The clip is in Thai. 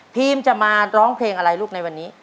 จะมาร้องเพลงอะไรลูกในวันนี้